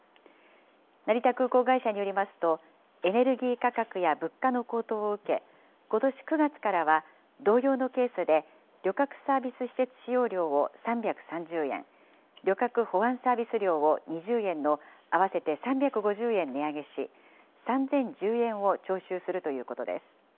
成田空港会社によりますと、エネルギー価格や物価の高騰を受け、ことし９月からは同様のケースで、旅客サービス施設使用料を３３０円、旅客保安サービス料を２０円の合わせて３５０円値上げし、３０１０円を徴収するということです。